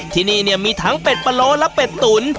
ที่นี่มีทั้งเป็ดปะโล้และเป็ดตุ๋น